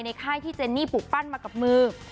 ค่ายที่เจนนี่ปลูกปั้นมากับมือ